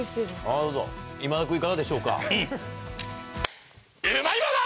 なるほど今田君いかがでしょうか？